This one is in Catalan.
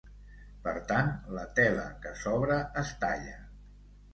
Per tant, la tela que sobra es talla.